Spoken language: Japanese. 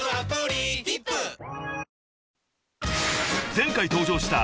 ［前回登場した］